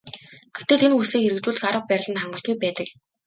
Гэтэл энэ хүслийг хэрэгжүүлэх арга барил нь хангалтгүй байдаг.